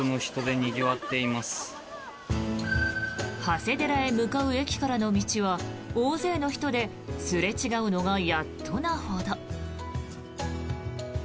長谷寺へ向かう駅からの道は大勢の人ですれ違うのがやっとなほど。